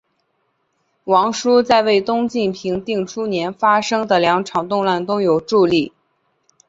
王舒在为东晋平定初年发生的两场动乱都有助力。